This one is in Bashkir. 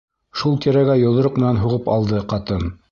Шул тирәгә йоҙроҡ менән һуғып алды ҡатын.